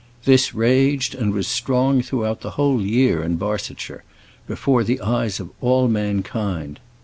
This raged and was strong throughout the whole year in Barsetshire, before the eyes of all mankind.